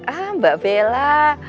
ah mbak bella